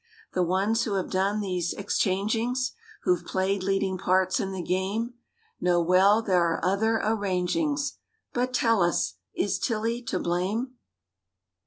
The ones who have done these "exchangings;" Who've played leading parts in the game, Know well there are other "arrangings"— But tell us—is Tillie to blame?